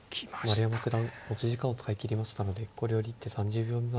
丸山九段持ち時間を使い切りましたのでこれより一手３０秒未満で。